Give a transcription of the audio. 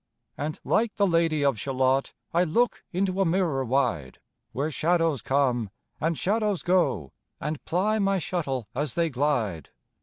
And like the Lady of Shalott I look into a mirror wide, Where shadows come, and shadows go, And ply my shuttle as they glide.